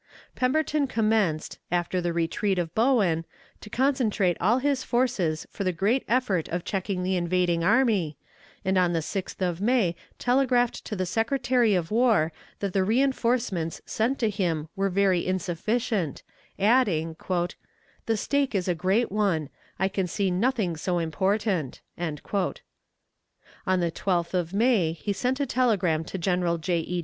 Pemberton commenced, after the retreat of Bowen, to concentrate all his forces for the great effort of checking the invading army, and on the 6th of May telegraphed to the Secretary of War that the reënforcements sent to him were very insufficient, adding: "The stake is a great one; I can see nothing so important." On the 12th of May he sent a telegram to General J. E.